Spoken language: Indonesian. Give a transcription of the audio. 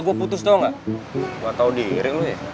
gua putus doang gak gua tau diri lu ya